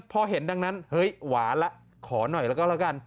พอเห็นดังนั้นเฮ้ยหวานละขอหน่อยแล้วก็แล้วกัน